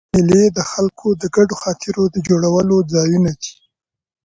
مېلې د خلکو د ګډو خاطرو د جوړولو ځایونه دي.